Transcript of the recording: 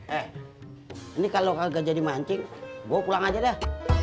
eh ini kalau kagak jadi mancing gue pulang aja deh